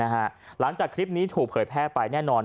หลังจากคลิปนี้ถูกเผยแพ้ไปแน่นอนนะครับ